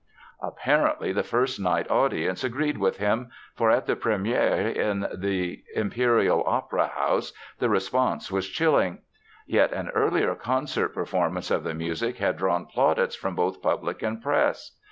Apparently the first night audience agreed with him, for at the première in the Imperial Opera House, the response was chilling. Yet an earlier concert performance of the music had drawn plaudits from both public and press.